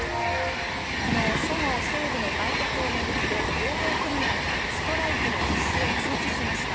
昨日、そごう・西武の売却を巡って労働組合がストライキの実施を通知しました。